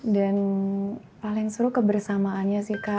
dan paling seru kebersamaannya sih kak